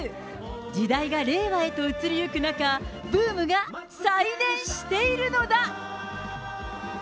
時代が令和へと移りゆく中、ブームが再燃しているのだ。